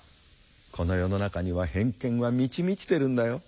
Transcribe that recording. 「この世の中には偏見は満ち満ちてるんだよ。